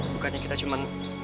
bukannya kita cuma makan siang